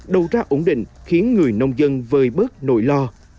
đầu ra ổn định khiến người nông dân vơi bớt nỗi lo